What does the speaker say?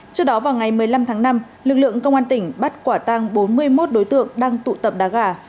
trước đó vào ngày một mươi năm tháng năm lực lượng công an tỉnh bắt quả tăng bốn mươi một đối tượng đang tụ tập đá gà